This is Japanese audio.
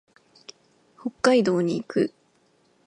北海道に行く。